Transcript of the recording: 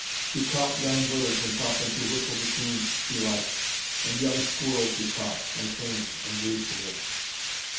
He caught young birds and taught them to whistle the tunes she liked, and young squirrels he caught and tamed and gave to her.